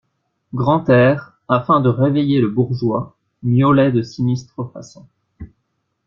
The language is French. Grantaire, afin de réveiller le bourgeois, miaulait de sinistre façon.